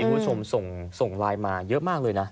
คุณผู้ชมส่งไลน์มาเยอะมากเลยนะ